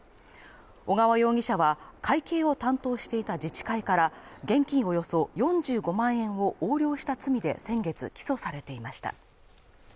小川容疑者は、会計を担当していた自治会から現金およそ４５万円を横領した罪で先月、起訴されていました。